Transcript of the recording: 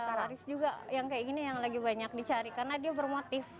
tataris juga yang kayak gini yang lagi banyak dicari karena dia bermotif